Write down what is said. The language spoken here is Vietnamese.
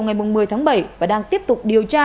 ngày một mươi tháng bảy và đang tiếp tục điều tra